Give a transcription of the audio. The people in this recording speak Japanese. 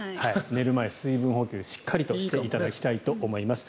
寝る前、水分補給しっかりとしていただきたいと思います。